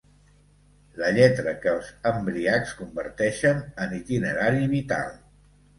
La lletra que els embriacs converteixen en itinerari vital.